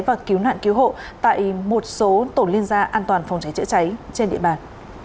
và cứu nạn cứu hộ tại một số tổ liên gia an toàn phòng cháy chữa cháy trên địa bàn